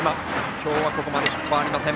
今日はここまでヒットはありません。